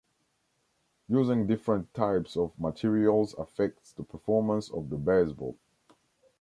Using different types of materials affects the performance of the baseball.